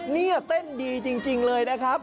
นี่เต้นดีจริงเลยนะครับ